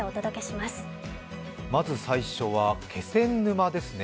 まず最初は気仙沼ですね。